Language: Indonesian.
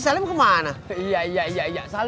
nanti aku mexican